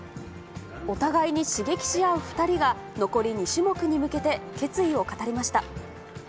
お互いに刺激し合う２人が残り２種目に向けて決意を語りました。